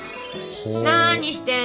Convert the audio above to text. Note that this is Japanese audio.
何してんの？